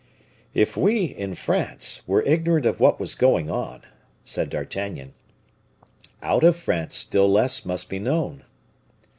"If we, in France, were ignorant of what was going on," said D'Artagnan, "out of France still less must be known."